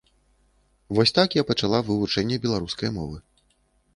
Вось так я пачала вывучэнне беларускай мовы.